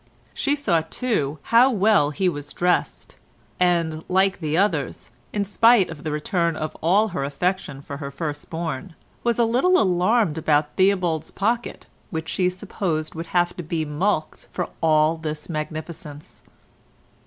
She saw too how well he was dressed, and, like the others, in spite of the return of all her affection for her first born, was a little alarmed about Theobald's pocket, which she supposed would have to be mulcted for all this magnificence.